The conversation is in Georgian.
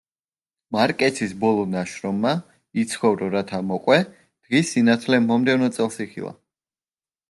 მარკესის ბოლო ნაშრომმა „იცხოვრო, რათა მოყვე“ დღის სინათლე მომდევნო წელს იხილა.